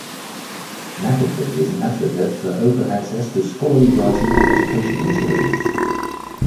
McAfee is an advocate for open access to scholarly writing and educational materials.